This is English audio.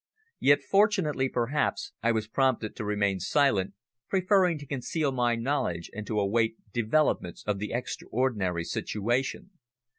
Yet, fortunately perhaps, I was prompted to remain silent, preferring to conceal my knowledge and to await developments of the extraordinary situation.